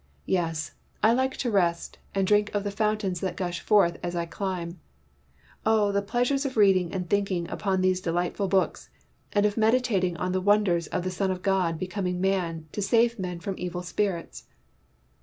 Yes, I like to rest, and drink of the fountains that gush forth as I climb. Oh, the pleasure of reading and thinking upon these delightful books, and of meditating on the wonders of the Son of God becoming man to save men from evil spirits